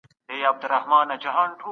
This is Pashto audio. د مرتد لپاره په شریعت کي سزا ټاکل سوې ده.